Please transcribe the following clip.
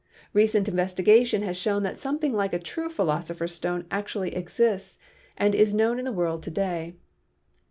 Recent investi gation has shown that something like a true Philosopher's Stone actually exists and is known in the world to day.